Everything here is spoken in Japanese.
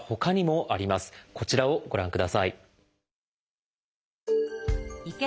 こちらをご覧ください。